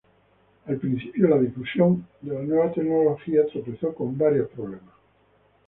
Al principio, la difusión de la nueva tecnología tropezó con varios problemas.